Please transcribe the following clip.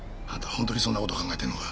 本当にそんな事を考えてるのか？